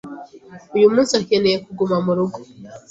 Uyu munsi akeneye kuguma murugo?